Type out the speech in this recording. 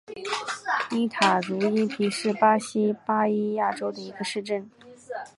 伊塔茹伊皮是巴西巴伊亚州的一个市镇。